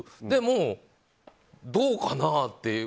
でも、どうかな？って。